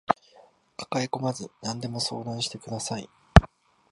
抱えこまず何でも相談してください